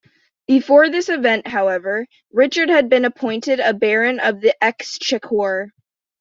Before this event, however, Richard had been appointed a baron of the exchequer.